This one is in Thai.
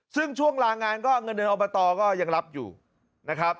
ซึ่งช่วงลางานก็เงินเดือนอบตก็ยังรับอยู่นะครับ